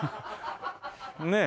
ねえ。